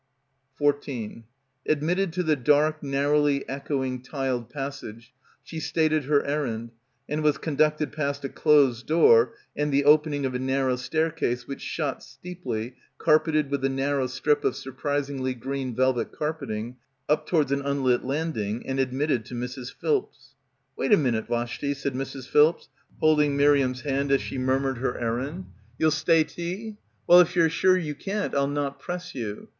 H Admitted to the dark narrowly echoing tiled passage, she stated her errand and was conducted past a closed door and the opening of a narrow staircase which shot steeply, carpeted with a nar row strip of surprisingly green velvet carpeting, up towards an unlit landing and admitted to Mrs. Philps. "Wait a minute, Vashti," said Mrs. Philps, holding Miriam's hand as she murmured her errand. "You'll stay tea? Well, if you're sure — 190 — BACKWATER you can't I'll not press you.